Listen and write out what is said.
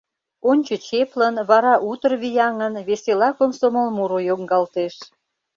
Ончыч эплын, вара утыр вияҥын, весела комсомол муро йоҥгалтеш.